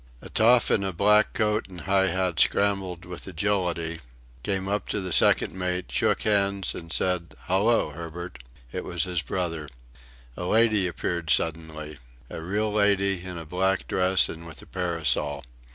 A toff in a black coat and high hat scrambled with agility, came up to the second mate, shook hands, and said: "Hallo, Herbert." It was his brother. A lady appeared suddenly. A real lady, in a black dress and with a parasol.